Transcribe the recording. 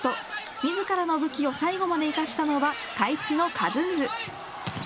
自らの武器を最後まで生かしたのは開智のカズンズ。